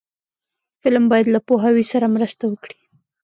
فلم باید له پوهاوي سره مرسته وکړي